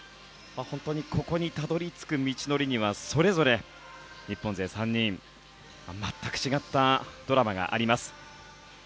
本当にここにたどり着く道のりにはそれぞれ日本勢３人全く違ったドラマがあります。